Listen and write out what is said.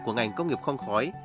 của ngành công nghiệp không khói